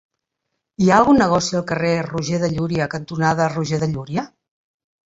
Hi ha algun negoci al carrer Roger de Llúria cantonada Roger de Llúria?